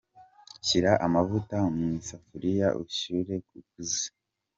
Shyira amavuta mu isafuriya, ushyire ku ziko.